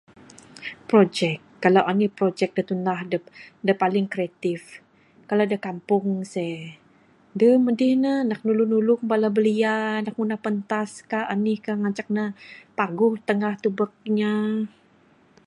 Projek, kalau anih projek da tunah adep, da paling kreatif. Kalau da kampung seeh, deh madi ne nak nulung nulung bala belia nak ngunah pentas ka anih ka ngancak ne paguh tangah tubek inya.